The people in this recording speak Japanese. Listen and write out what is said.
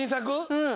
うん！